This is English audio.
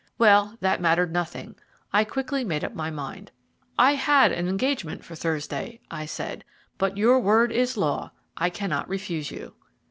Well, that mattered nothing. I quickly made up my mind. "I had an engagement for Thursday," I said, "but your word is law I cannot refuse you."